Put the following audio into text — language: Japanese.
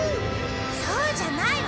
そうじゃないわ。